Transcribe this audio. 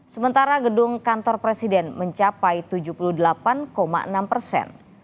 sementara gedung kantor presiden mencapai tujuh puluh delapan enam persen